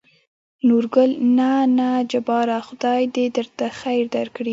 نورګل: نه نه جباره خداى د درته خېر درکړي.